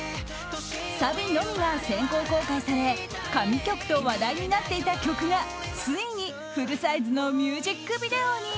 サビのみが先行公開され神曲と話題になっていた曲がついにフルサイズのミュージックビデオに。